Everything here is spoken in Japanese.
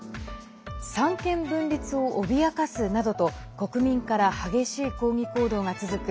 三権分立を脅かすなどと国民から激しい抗議行動が続く